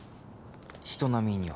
人並みには。